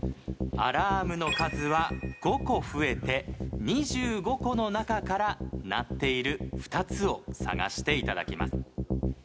アラームの数は５個増えて２５個の中から鳴っている２つを探していただきます。